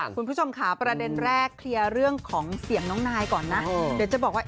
คุณผู้ชมค่ะประเด็นแรกเคลียร์เรื่องของเสียงน้องนายก่อนนะเดี๋ยวจะบอกว่า